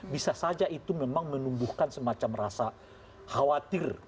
bisa saja itu memang menumbuhkan semacam rasa khawatir